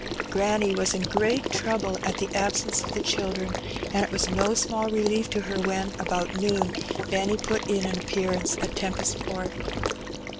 Granny was in great trouble at the absence of the children, and it was no small relief to her when, about noon, Benny put in an appearance at Tempest Court.